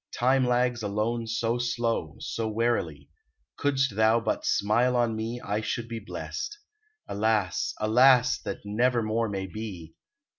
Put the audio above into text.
Time lags alone so slow, so wearily; Couldst thou but smile on me, I should be blest. Alas, alas! that never more may be.